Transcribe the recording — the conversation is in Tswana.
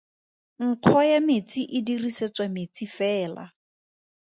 Nkgo ya metsi e dirisetswa metsi fela.